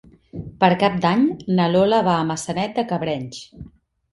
Per Cap d'Any na Lola va a Maçanet de Cabrenys.